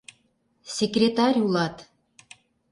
Секретарь улат!..